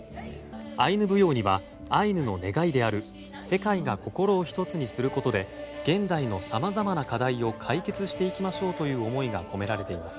アイヌ舞踊にはアイヌの願いである世界が心を一つにすることで現代のさまざまな課題を解決していきましょうという思いが込められています。